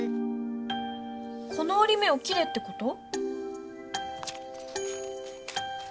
このおり目を切れってこと？